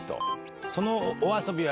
その「おあそび」は。